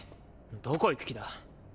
どこ行く気だ？